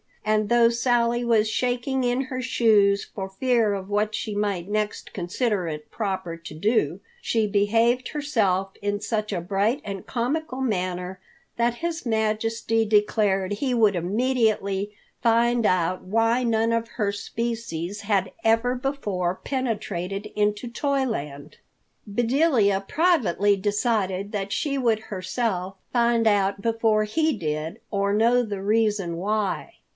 And, though Sally was shaking in her shoes for fear of what she might next consider it proper to do, she behaved herself in such a bright and comical manner that His Majesty declared he would immediately find out why none of her species had ever before penetrated into Toyland. Bedelia privately decided that she would herself find out before he did, or know the reason why.